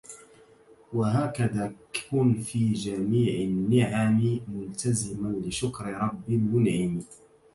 وهكذا كن في جميع النعمِ ملتزما لشكر رَبٍ مُنعمِ